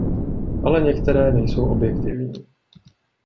Ale některé nejsou objektivní.